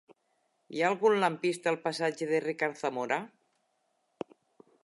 Hi ha algun lampista al passatge de Ricard Zamora?